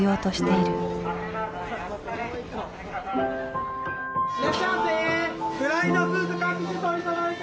いらっしゃいませ！